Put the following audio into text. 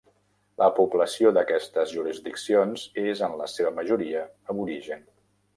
La població d'aquestes jurisdiccions és en la seva majoria aborigen.